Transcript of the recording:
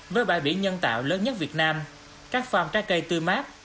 với bãi biển nhân tạo lớn nhất việt nam các farm trái cây tươi mát